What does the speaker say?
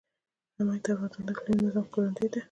نمک د افغانستان د اقلیمي نظام ښکارندوی ده.